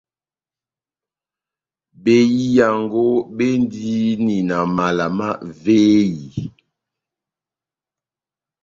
Behiyaango béndini na mala má véyi,